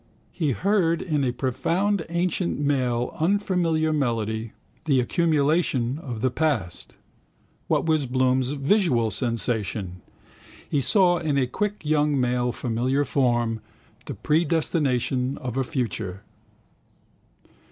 He heard in a profound ancient male unfamiliar melody the accumulation of the past. What was Bloom's visual sensation? He saw in a quick young male familiar form the predestination of a future.